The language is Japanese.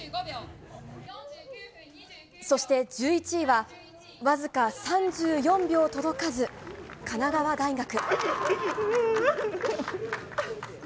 そして１１位は、僅か３４秒届かず、神奈川大学。